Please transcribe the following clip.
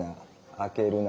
「開けるな」